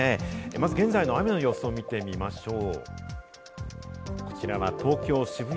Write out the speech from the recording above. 現在の雨の様子を見ましょう。